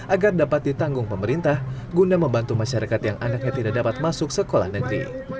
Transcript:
agar dapat ditanggung pemerintah guna membantu masyarakat yang anaknya tidak dapat masuk sekolah negeri